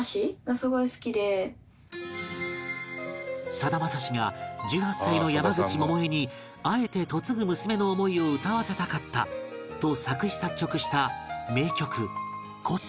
さだまさしが１８歳の山口百恵にあえて嫁ぐ娘の思いを歌わせたかったと作詞作曲した名曲『秋桜』